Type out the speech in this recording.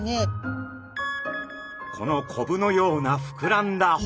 このコブのようなふくらんだ骨。